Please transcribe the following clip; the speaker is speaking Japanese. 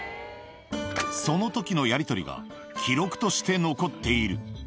そのときのやり取りが、記録として残っている。